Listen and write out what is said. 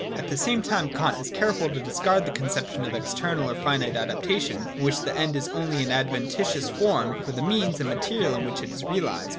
At the same time Kant is careful to discard the conception of external or finite adaptation, in which the End is only an adventitious form for the means and material in which it is realised.